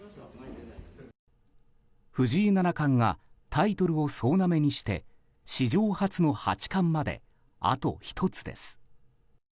藤井七冠がタイトルを総なめにして史上初の八冠まであと１つです。